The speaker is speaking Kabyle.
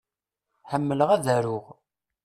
Ḥemmleɣ ad aruɣ.